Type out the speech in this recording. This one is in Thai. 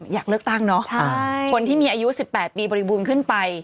อยากเลือกตั้งเนอะคนที่มีอายุ๑๘ปีบริบูรณ์ขึ้นไป